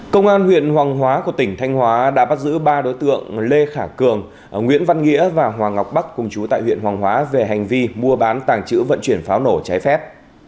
công an huyện hoàng hóa của tỉnh thanh hóa đã bắt giữ ba đối tượng lê khả cường nguyễn văn nghĩa và hoàng ngọc bắc cùng chú tại huyện hoàng hóa về hành vi mua bán tàng trữ vận chuyển pháo nổ trái phép